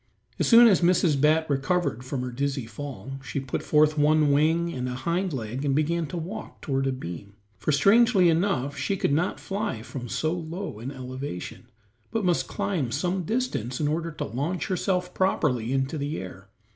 As soon as Mrs. Bat recovered from her dizzy fall, she put forth one wing and a hind leg and began to walk toward a beam, for strangely enough she could not fly from so low an elevation, but must climb some distance in order to launch herself properly into the air.